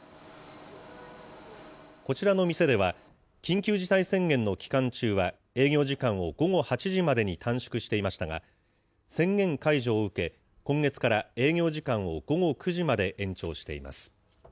こちらの店では、緊急事態宣言の期間中は営業時間を午後８時までに短縮していましたが、宣言解除を受け、今月から営業時間を午後９時まで延長しています。